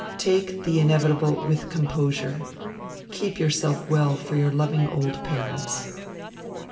Take the inevitable with composure. Keep yourself well for your loving old parents.